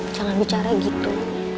jangan bicara gitu